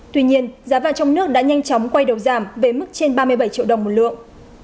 tuy nhiên giá vàng trong nước đã nhanh chóng quay đầu giảm về mức trên ba mươi bảy triệu đồng một lượng